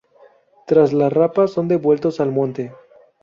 Tras la rapa son devueltos al monte.